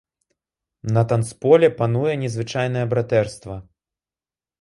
На танцполе пануе незвычайнае братэрства.